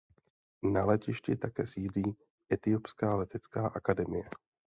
Na letišti také sídlí etiopská letecká akademie.